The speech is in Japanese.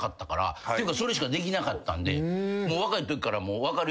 ていうかそれしかできなかったんで若いときから。